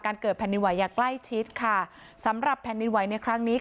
เกิดแผ่นดินไหวอย่างใกล้ชิดค่ะสำหรับแผ่นดินไหวในครั้งนี้